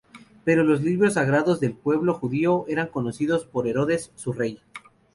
Pero los libros sagrados del pueblo judío eran conocidos por Herodes, su rey.